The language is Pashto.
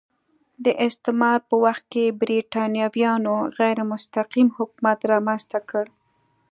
د استعمار په وخت کې برېټانویانو غیر مستقیم حکومت رامنځته کړ.